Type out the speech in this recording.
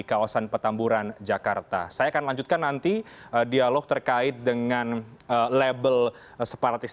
assalamualaikum warahmatullahi wabarakatuh